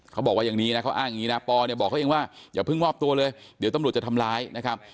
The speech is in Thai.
เขาบอกว่าอย่างนี้นะเขาอ้างอย่างนี้นะปอเนี่ยบอกเขาเองว่าอย่าเพิ่งมอบตัวเลยเดี๋ยวตำรวจจะทำร้ายนะครับ